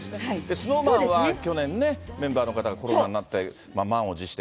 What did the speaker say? ＳｎｏｗＭａｎは去年ね、メンバーの方がコロナになって、満を持して。